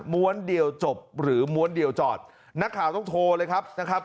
้วนเดียวจบหรือม้วนเดียวจอดนักข่าวต้องโทรเลยครับนะครับ